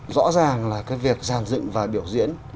rõ ràng là việc giàn dựng và biểu diễn